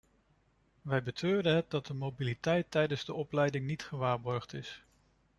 Wij betreuren het dat de mobiliteit tijdens de opleiding niet gewaarborgd is.